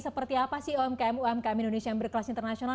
seperti apa sih umkm umkm indonesia yang berkelas internasional